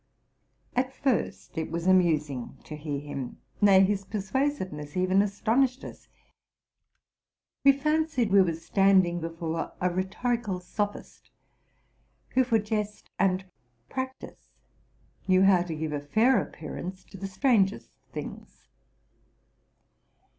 At first it was amusing to hear him; nay, his persuasive ness even astonished us. We fancied we were standing be fore a rhetorical sophist, who for jest and practice knew how to give a fair appearance to the strangest things.